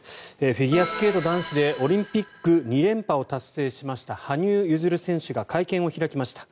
フィギュアスケート男子でオリンピック２連覇を達成しました羽生結弦選手が会見を開きました。